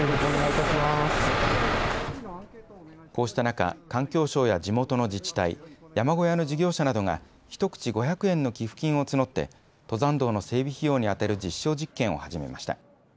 こうした中、環境省や地元の自治体、山小屋の事業者などが１口５００円の寄付金を募って登山道の整備費用に充てる実証実験を始めました。